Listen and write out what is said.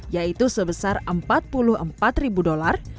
yaitu sebesar empat puluh empat ribu dolar